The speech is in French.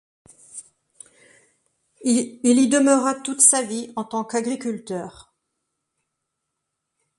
Il y demeura toute sa vie en tant qu'agriculteur.